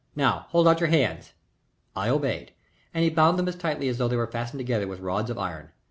"Now hold out your hands." I obeyed, and he bound them as tightly as though they were fastened together with rods of iron.